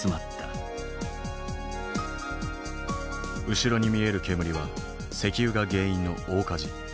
後ろに見える煙は石油が原因の大火事。